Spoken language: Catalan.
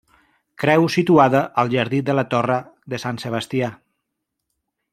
Creu situada al jardí de la torre de Sant Sebastià.